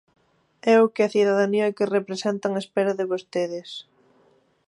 É o que a cidadanía que representan espera de vostedes.